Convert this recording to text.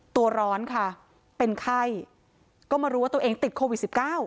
ตัวร้อนค่ะเป็นไข้ก็มารู้ว่าตัวเองติดโควิด๑๙